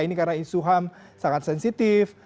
ini karena isu ham sangat sensitif